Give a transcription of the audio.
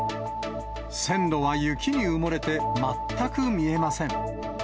線路は雪に埋もれて全く見えません。